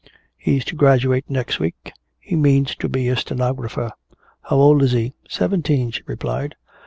He's to graduate next week. He means to be a stenographer." "How old is he?" "Seventeen," she replied.